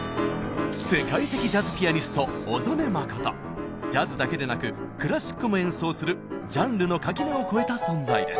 世界的ジャズだけでなくクラシックも演奏するジャンルの垣根を越えた存在です。